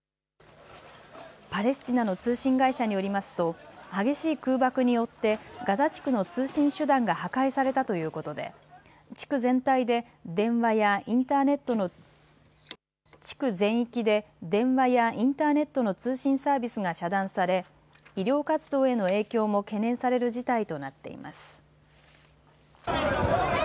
パレスチナの通信会社によりますと激しい空爆によってガザ地区の通信手段が破壊されたということで地区全域で電話やインターネットの通信サービスが遮断され医療活動への影響も懸念される事態となっています。